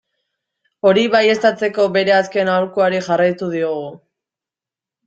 Hori baieztatzeko, bere azken aholkuari jarraitu diogu.